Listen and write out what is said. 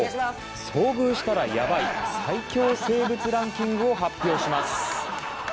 遭遇したらやばい最恐生物ランキングを発表します。